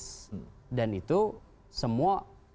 tetapi juga ada dimensi yang disebut dengan kepentingan serta kepentingan